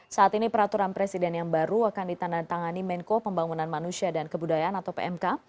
saat ini peraturan presiden yang baru akan ditandatangani menko pembangunan manusia dan kebudayaan atau pmk